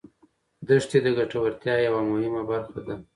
دښتې د ګټورتیا یوه مهمه برخه ده.